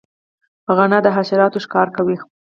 غڼه د حشراتو ښکار کوي